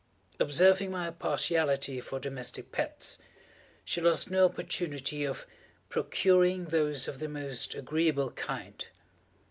Observing my partiality for domestic pets, she lost no opportunity of procuring those of the most agreeable kind.